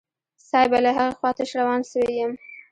صايبه له هغې خوا تش روان سوى يم.